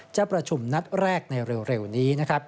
จะประชุมนัดแรกในเร็วนี้